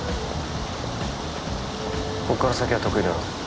ここから先は得意だろ？